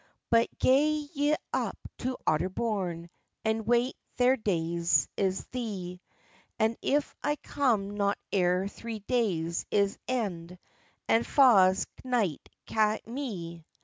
"But gae ye up to Otterbourne, And wait there dayis three; And, if I come not ere three dayis end, A fause knight ca' ye me."